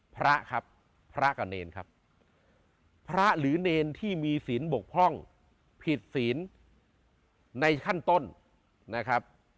พระครับพระกับเนรครับพระหรือเนรที่มีศีลบกพร่องผิดศีลในขั้นต้นนะครับ